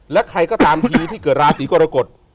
และใครก็ตามทีที่เกิดราศีกรกฎ